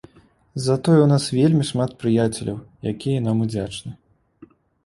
Затое ў нас вельмі шмат прыяцеляў, якія нам удзячны.